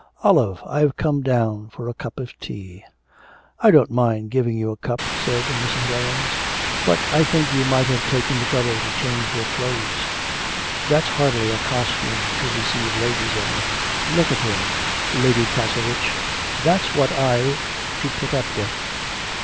'Olive, I've come down for a cup of tea.' 'I don't mind giving you a cup,' said Mrs. Lahens, 'but I think you might have taken the trouble to change your clothes: that's hardly a costume to receive ladies in. Look at him, Lady Castlerich that's what I've to put up with.'